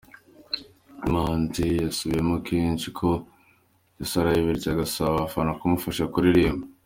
Uyu muhanzi yasubiyemo kenshi ko yasaraye bityo agasaba abafana kumufasha kuririmba.